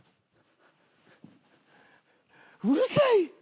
うるさい！